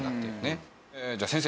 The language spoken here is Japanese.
じゃあ先生